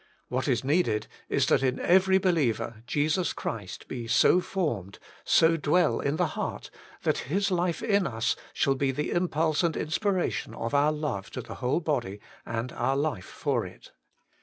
What is needed is that in every believer Jesus Christ be so formed, so dwell in the heart, that His life in us shall be the impulse and in spiration of our love to the whole body, and our life for it.